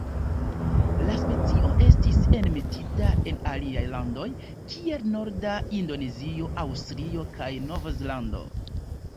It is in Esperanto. La specio estis enmetita en aliaj landoj kiel norda Indonezio, Aŭstralio kaj Novzelando.